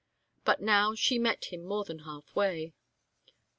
But now she met him more than half way.